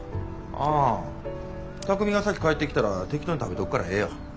ああ巧海が先帰ってきたら適当に食べとくからええよ。